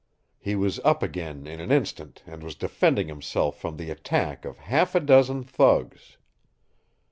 He was up again in an instant and was defending himself from the attack of half a dozen thugs.